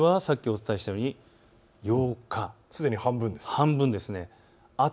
ことしは先ほどお伝えしたように８日、すでに半分です。